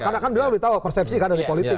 karena kan dia udah tahu persepsi kan dari politik